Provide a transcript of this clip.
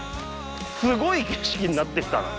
すごい景色になってきたな。